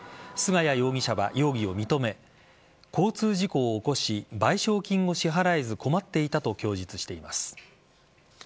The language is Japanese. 菅谷容疑者は容疑を認め交通事故を起こし賠償金を支払えず困っていたと供述しています。